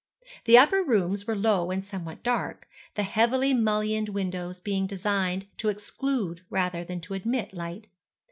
The upper rooms were low and somewhat dark, the heavily mullioned windows being designed to exclude rather than to admit light.